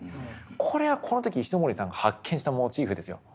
これはこの時石森さんが発見したモチーフですよ。